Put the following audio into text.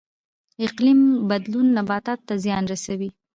اقلیم بدلون نباتاتو ته زیان رسوي